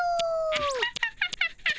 アハハハハハハ。